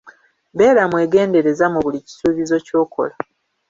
Beera mwegendereza mu buli kisuubizo ky'okola.